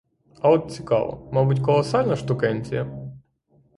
А от цікаво — мабуть, колосальна штукенція?